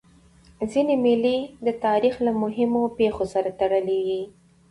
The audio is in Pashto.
ځيني مېلې د تاریخ له مهمو پېښو سره تړلي يي.